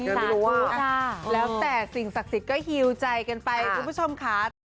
จนที่๑๖ยังไม่รู้ว่าแล้วแต่สิ่งศักดิ์สิทธิ์ก็ฮิวใจกันไปคุณผู้ชมค่ะ